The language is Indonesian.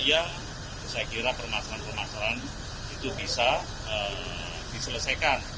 yang saya kira permasalahan permasalahan itu bisa diselesaikan